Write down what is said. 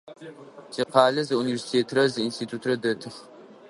Тикъалэ зы университетрэ зы институтрэ дэтых.